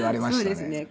そうですね。